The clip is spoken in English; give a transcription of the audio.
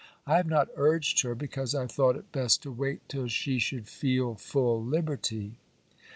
I have not urged her, because I thought it best to wait till she should feel full liberty.